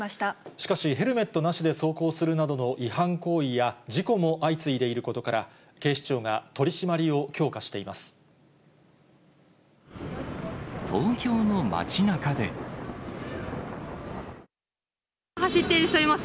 しかし、ヘルメットなしで走行するなどの違反行為や、事故も相次いでいることから、警視庁が取締りを強化しています。